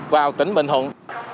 vào tỉnh bình hùng